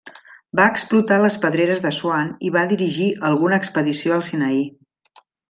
Va explotar les pedreres d'Assuan i va dirigir alguna expedició al Sinaí.